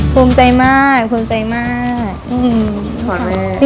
ภูมิใจมากภูมิใจมาก